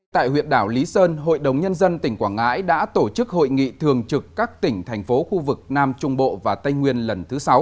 tại huyện đảo lý sơn hội đồng nhân dân tỉnh quảng ngãi đã tổ chức hội nghị thường trực các tỉnh thành phố khu vực nam trung bộ và tây nguyên lần thứ sáu